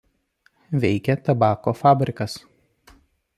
Veikia tabako fabrikas.